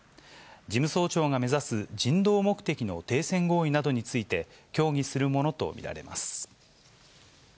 事務総長が目指す人道目的の停戦合意などについて協議するものと見られます。